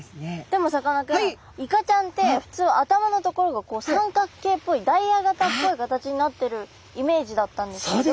でもさかなクンイカちゃんってふつう頭の所がこう三角形っぽいのダイヤ形っぽい形になってるイメージだったんですけど。